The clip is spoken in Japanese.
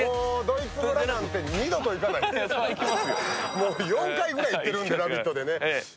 もう４回ぐらい行ってるんで「ラヴィット！」で。